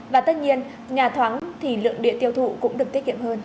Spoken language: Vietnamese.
và tất nhiên nhà thoáng thì lượng điện tiêu thụ cũng được tiết kiệm hơn